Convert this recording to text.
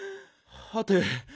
はて？